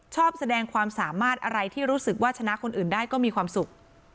ชอบแสดงความสามารถอะไรที่รู้สึกว่าชนะคนอื่นได้ก็มีความสุข